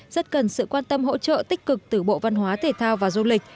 rất cần sự quan tâm hỗ trợ tích cực từ bộ văn hóa thể thao và du lịch